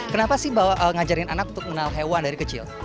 kenapa sih ngajarin anak untuk mengenal hewan dari kecil